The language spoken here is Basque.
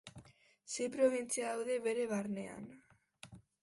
Sei probintzia daude bere barnean.